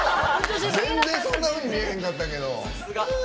全然そんなふうに見えへんかったけど。